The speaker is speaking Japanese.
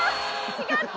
違った？